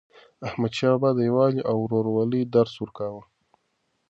احمدشاه بابا د یووالي او ورورولۍ درس ورکاوه.